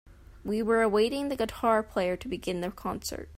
We were awaiting the guitar player to begin the concert.